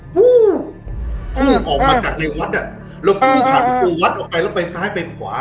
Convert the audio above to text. พุ่งออกมาจากในวัดอ่ะแล้ววิ่งผ่านประตูวัดออกไปแล้วไปซ้ายไปขวา